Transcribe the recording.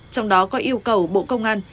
trong đó có yêu cầu bộ công an